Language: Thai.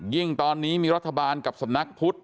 ยิ่งตอนนี้มีรัฐบาลกับสำนักพุทธ